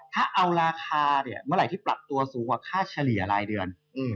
ถ้าเอาราคาเนี่ยเมื่อไหร่ที่ปรับตัวสูงกว่าค่าเฉลี่ยรายเดือน